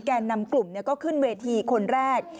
แก่นำกลุ่มก็ขึ้นเวทีคนแรก